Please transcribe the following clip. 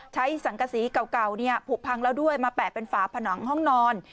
สังกษีเก่าผูกพังแล้วด้วยมาแปะเป็นฝาผนังห้องนอน